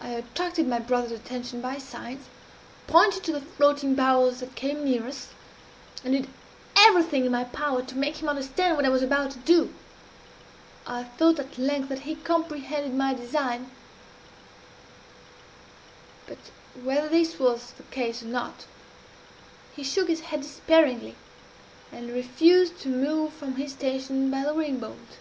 I attracted my brother's attention by signs, pointed to the floating barrels that came near us, and did everything in my power to make him understand what I was about to do. I thought at length that he comprehended my design but, whether this was the case or not, he shook his head despairingly, and refused to move from his station by the ring bolt.